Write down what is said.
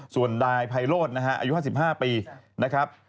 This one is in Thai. ส่วนดายไพโลดอายุ๕๕ปีนะครับ